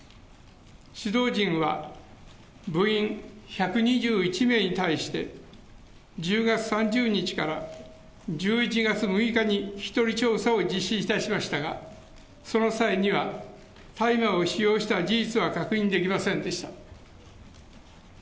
指導陣は部員１２１名に対して、１０月３０日から１１月６日に聞き取り調査を実施いたしましたが、その際には、大麻を使用した事実は確認できませんでした。